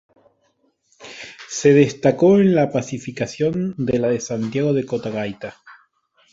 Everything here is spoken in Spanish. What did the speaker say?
Se destacó en la pacificación de la de Santiago de Cotagaita.